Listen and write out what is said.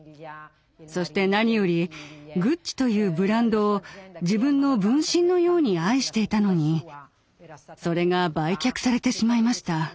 そして何よりグッチというブランドを自分の分身のように愛していたのにそれが売却されてしまいました。